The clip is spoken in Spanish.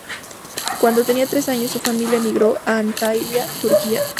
Cuando tenía tres años, su familia emigró a Antalya, Turquía.